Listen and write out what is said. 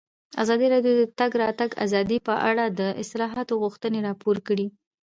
ازادي راډیو د د تګ راتګ ازادي په اړه د اصلاحاتو غوښتنې راپور کړې.